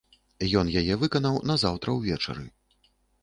Ён яе выканаў назаўтра ўвечары.